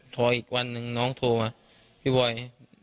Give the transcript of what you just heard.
พออีกวันหนึ่งน้องโทรมาพี่บอย